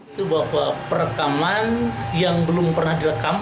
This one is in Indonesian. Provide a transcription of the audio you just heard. itu bahwa perekaman yang belum pernah direkam